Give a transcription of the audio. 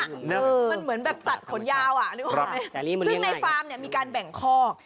มันเหมือนแบบสัตว์ขนยาวอ่ะซึ่งในฟาร์มเนี่ยมีการแบ่งข้อ